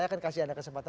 kami akan segera kembali